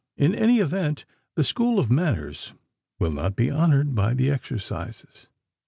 In any event, the school of manners will not be honored by the exercises.